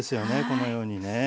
このようにね。